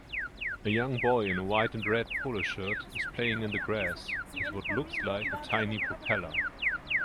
A young boy in a white and red polo shirt is playing in the grass with what looks like a tiny propeller